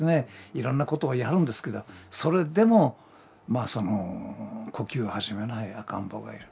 いろんなことをやるんですけどそれでも呼吸を始めない赤ん坊がいる。